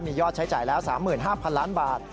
ยอดใช้จ่ายแล้ว๓๕๐๐๐ล้านบาท